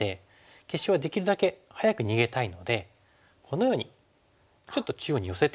消しはできるだけ早く逃げたいのでこのようにちょっと中央に寄せて。